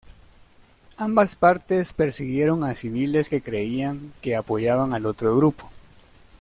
Ambas partes persiguieron a civiles que creían que apoyaban al otro grupo.